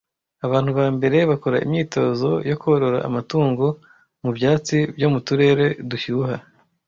Abantu ba mbere bakora imyitozo yo korora amatungo mu byatsi byo mu turere dushyuha